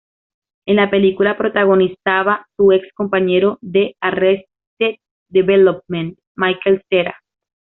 En la película protagonizaba su ex compañero de "Arrested Development", Michael Cera.